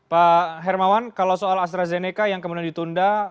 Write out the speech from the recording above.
pak hermawan kalau soal astrazeneca yang kemudian ditunda